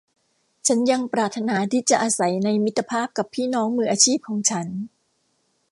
ฉันยังปรารถนาที่จะอาศัยในมิตรภาพกับพี่น้องมืออาชีพของฉัน